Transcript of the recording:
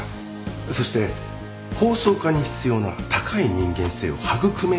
そして法曹家に必要な高い人間性を育める場所です。